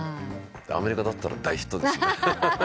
アメリカだったら大ヒットですよ。